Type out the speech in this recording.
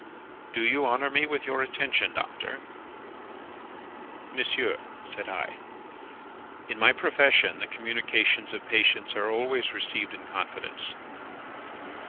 "'Do you honour me with your attention, Doctor?' "'Monsieur,' said I, 'in my profession, the communications of patients are always received in confidence.